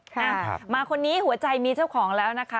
อ่ามาคนนี้หัวใจมีเจ้าของแล้วนะคะ